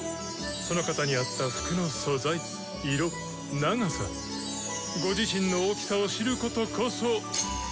その方に合った服の素材色長さご自身の大きさを知ることこそ。